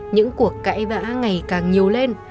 những cuộc cãi vã ngày càng nhiều lên